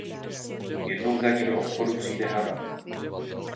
Jednou za ní do obchodu přijde Hana.